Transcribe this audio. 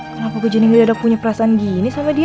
kenapa gue jadi gila ada punya perasaan gini sama dia